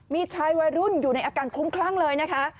มีชายวัยรุ่นอยู่ในอาการคุ้มคลั่งเลยนะคะ